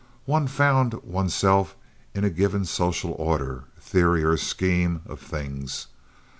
One found oneself in a given social order, theory, or scheme of things.